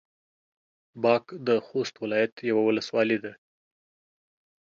باک د خوست ولايت يوه ولسوالي ده.